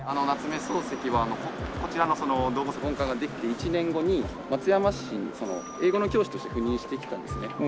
夏目漱石はこちらの道後温泉本館ができて１年後に松山市に英語の教師として赴任してきたんですね。